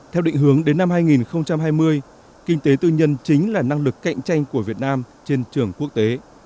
theo định hướng đến năm hai nghìn hai mươi kinh tế tư nhân chính là năng lực cạnh tranh của việt nam trên trường quốc tế